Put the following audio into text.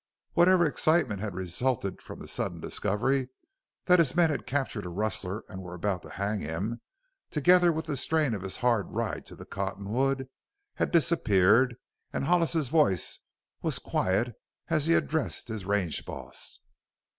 Whatever excitement had resulted from the sudden discovery that his men had captured a rustler and were about to hang him, together with the strain of his hard ride to the cottonwood, had disappeared, and Hollis's voice was quiet as he addressed his range boss.